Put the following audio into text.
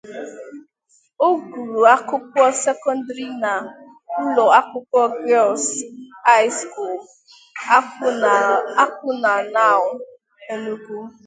Ọ gụrụ akwụkwọ sekọndrị na ụlọ akwụkwọ Girls High School Awkunanaw, Enugu.